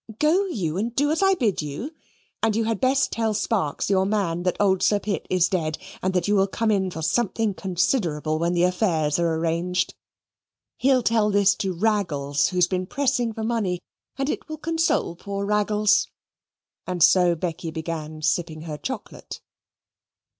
Go you, and do as I bid you. And you had best tell Sparks, your man, that old Sir Pitt is dead and that you will come in for something considerable when the affairs are arranged. He'll tell this to Raggles, who has been pressing for money, and it will console poor Raggles." And so Becky began sipping her chocolate.